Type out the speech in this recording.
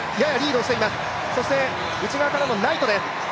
そして内側からもナイトです。